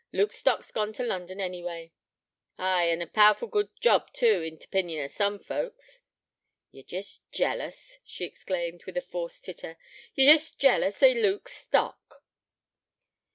'Luke Stock's gone to London, anyway.' 'Ay, an' a powerful good job too, in t' opinion o' some folks.' 'Ye're jest jealous,' she exclaimed, with a forced titter. 'Ye're jest jealous o' Luke Stock.'